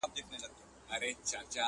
یوه ورځ چي سوه تیاره وخت د ماښام سو،